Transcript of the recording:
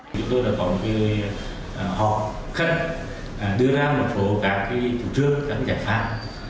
chúng tôi đã có một hợp khách đưa ra một phổ các thủ trương các giải pháp